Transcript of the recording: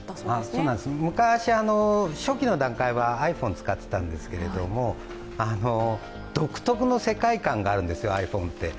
そうなんです、昔、初期の段階はｉＰｈｏｎｅ使っていたんですけども、独特の世界観があるんですよ、ｉＰｈｏｎｅって。